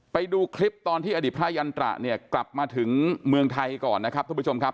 ไปดูคลิปตอนที่อดีตพระยันตระเนี่ยกลับมาถึงเมืองไทยก่อนนะครับทุกผู้ชมครับ